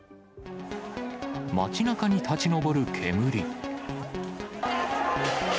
街なかに立ち上る煙。